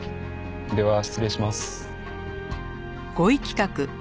では失礼します。